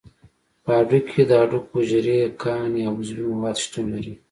په هډوکي کې د هډوکو حجرې، کاني او عضوي مواد شتون لري.